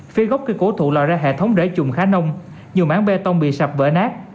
phía góc cây cổ thụ lò ra hệ thống rễ chuồng khá nông nhiều mảng bê tông bị sạp vỡ nát